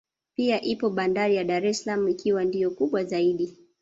Pia ipo bandari ya Dar es salaam ikiwa ndiyo kubwa zaidi